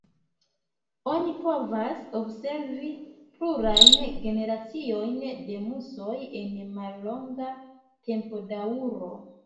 Oni povas observi plurajn generaciojn de musoj en mallonga tempodaŭro.